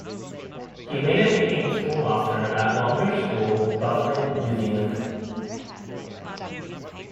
He later became schoolmaster at Longbush School, Southland, New Zealand.